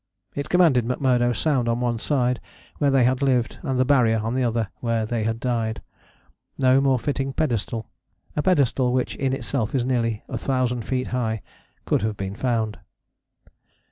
It commanded McMurdo Sound on one side, where they had lived: and the Barrier on the other, where they had died. No more fitting pedestal, a pedestal which in itself is nearly 1000 feet high, could have been found.